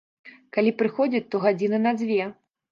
Калі прыходзяць, то гадзіны на дзве.